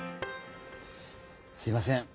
すいません。